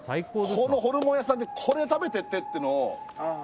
このホルモンやさんでこれ食べてってってのをああ